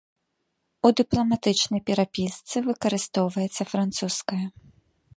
У дыпламатычнай перапісцы выкарыстоўваецца французская.